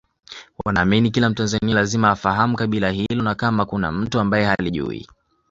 wanaamini kila mtanzania lazima afahamu kabila hilo na kama kuna mtu ambaye halijui